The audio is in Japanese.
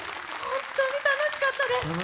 本当に楽しかったです。